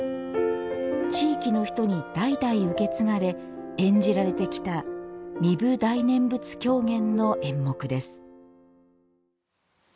地域の人に代々受け継がれ演じられてきた壬生大念仏狂言の演目です。